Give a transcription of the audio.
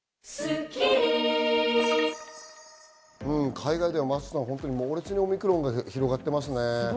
海外では本当に猛烈にオミクロンが広がっていますね。